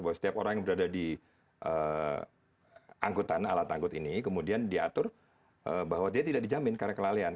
bahwa setiap orang yang berada di angkutan alat angkut ini kemudian diatur bahwa dia tidak dijamin karena kelalaian